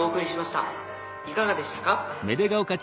いかがでしたか？